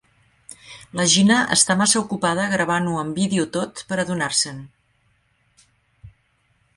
La Gina està massa ocupada gravant-ho en vídeo tot per adonar-se'n.